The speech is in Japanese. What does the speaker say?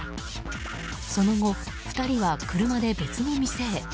その後、２人は車で別の店へ。